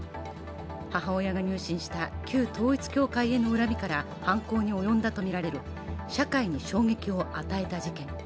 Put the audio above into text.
母親が入信した旧統一教会への恨みから犯行に及んだとみられる社会に衝撃を与えた事件。